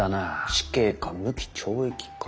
死刑か無期懲役か。